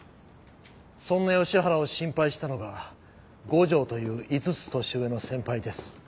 そんな吉原を心配したのが五条という５つ年上の先輩です。